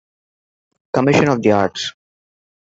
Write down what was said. Commission on the Arts.